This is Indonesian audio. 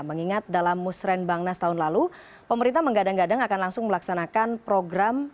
mengingat dalam musrembangnas tahun lalu pemerintah menggadang gadang akan langsung melaksanakan program secara kondisi